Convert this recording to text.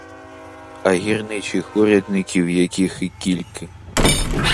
А гірничих урядників яких і кільки!